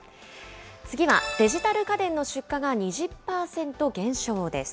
次は、デジタル家電の出荷が２０％減少です。